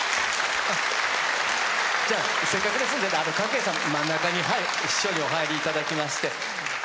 じゃあせっかくですので鶴英さん真ん中に師匠にお入りいただきまして。